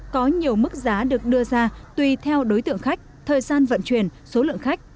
có nhiều mức giá được đưa ra tùy theo đối tượng khách thời gian vận chuyển số lượng khách